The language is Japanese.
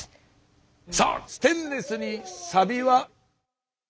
さあステンレスにサビは？